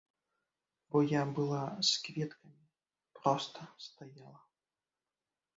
Бо я была з кветкамі, проста стаяла.